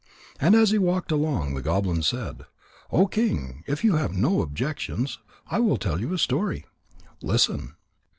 And as he walked along, the goblin said: "O King, if you have no objections, I will tell you a story. Listen."